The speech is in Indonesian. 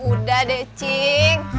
udah deh cing